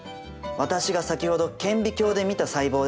私が先ほど顕微鏡で見た細胞ですね。